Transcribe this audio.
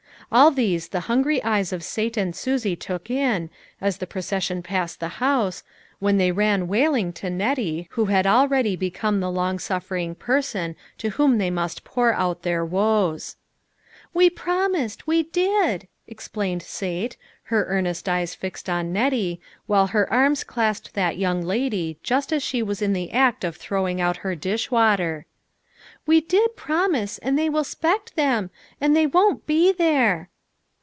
All these the hungry eyes of Sate and Susie took in, as the procession passed the house, then they ran 220 LITTLE FISHERS : AND THEIE NETS. wailing to Nettie who had already become the long suffering person to whom they must pour out their woes. " We promised, we did," explained Sate, her earnest eyes fixed on Nettie, while her arms clasped that young lady just as she was in the act of throwing out her dishwater. "We did promise, and they will 'spect them, and they won't be there."